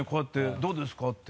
「どうですか？」って。